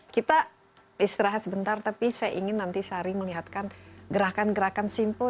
kita istirahat sebentar tapi saya ingin nanti sari melihatkan gerakan gerakan simpel